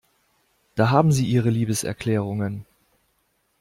Da haben Sie Ihre Liebeserklärungen.